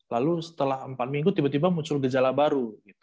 lalu setelah empat minggu tiba tiba muncul gejala baru